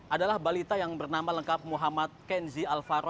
adalah balita yang bernama lengkap muhammad kenzi alvaro